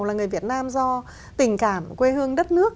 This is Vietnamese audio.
là người việt nam do tình cảm quê hương đất nước